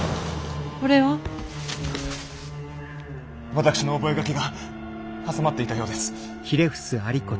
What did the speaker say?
私の覚書が挟まっていたようです。